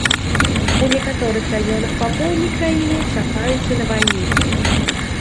У некаторых раёнах па поўдні краіны чакаюцца навальніцы.